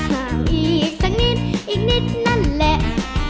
ข่าวอีกสักนิดอีกนิดนั่นแหละ